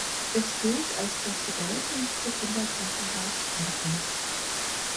Es gilt als das bedeutendste Kinderkrankenhaus Frankreichs.